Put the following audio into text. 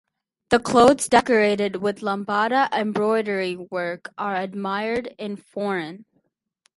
The clothes decorated with Lambada embroidery work are admired in foreign.